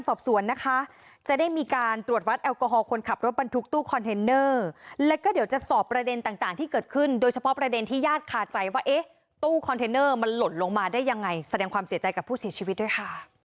โอ้โหคอนเทนเนอร์มันหล่นลงมาได้ยังไงแสดงความเสียใจกับผู้เสียชีวิตด้วยค่ะ